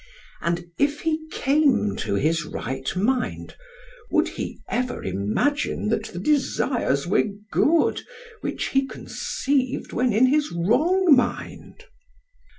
And if he came to his right mind, would he ever imagine that the desires were good which he conceived when in his wrong mind?